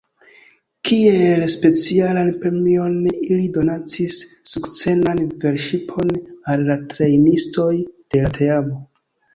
Kiel specialan premion ili donacis sukcenan velŝipon al la trejnistoj de la teamo.